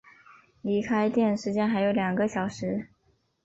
离开店时间还有两个小时